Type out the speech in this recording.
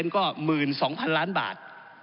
ก็๑๒๐๐๐ล้านบาท